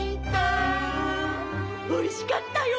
おいしかったよ！